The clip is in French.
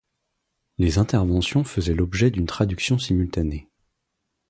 Les interventions faisaient l'objet d'une traduction simultanée.